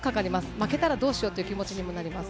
負けたらどうしようという気持ちにもなります。